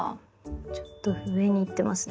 ちょっと上にいってますね。